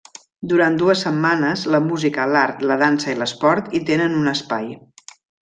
Durant dues setmanes la música, l'art, la dansa i l'esport hi tenen un espai.